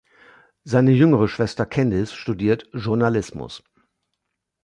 Seine jüngere Schwester, Candice, studiert Journalismus.